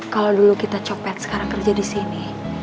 kalau dulu kita copet sekarang kerja di sini